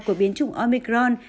của biến chủng omicron